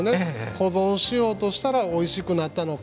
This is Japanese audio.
保存しようとしたらおいしくなったのか。